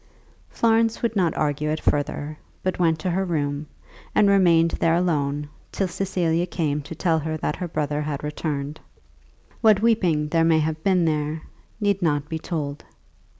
Florence would not argue it further, but went to her room, and remained there alone till Cecilia came to tell her that her brother had returned. What weeping there may have been there, need not be told.